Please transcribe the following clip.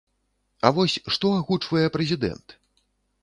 А вось што агучвае прэзідэнт?